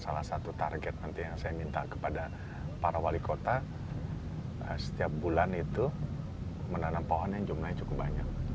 salah satu target nanti yang saya minta kepada para wali kota setiap bulan itu menanam pohon yang jumlahnya cukup banyak